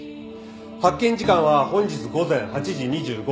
発見時間は本日午前８時２５分。